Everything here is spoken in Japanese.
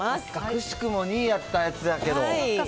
惜しくも２位やったやつやけど。